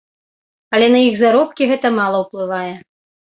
Але на іх заробкі гэта мала ўплывае.